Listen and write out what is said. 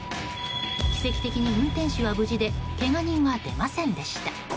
奇跡的に運転手は無事でけが人は出ませんでした。